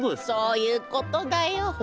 そういうことだよ。